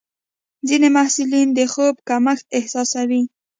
ځینې محصلین د خوب کمښت احساسوي.